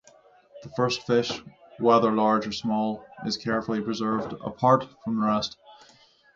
The first fish, whether large or small, is carefully preserved apart from the rest